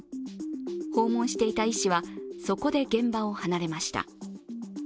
訪問していた医師はそこで現場を離れました。